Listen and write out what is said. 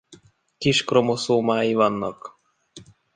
Kis kromoszómái vannak.